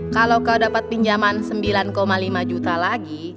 kalau kau dapat pinjaman sembilan lima juta lagi